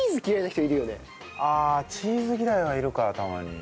ああチーズ嫌いはいるかたまに。